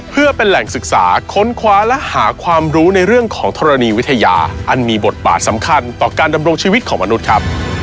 เพื่อเป็นแหล่งศึกษาค้นคว้าและหาความรู้ในเรื่องของธรณีวิทยาอันมีบทบาทสำคัญต่อการดำรงชีวิตของมนุษย์ครับ